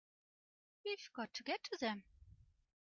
We've got to get to them!